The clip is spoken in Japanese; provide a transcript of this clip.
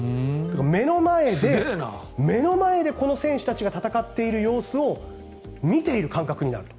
目の前でこの選手たちが戦っている様子を見ている感覚になると。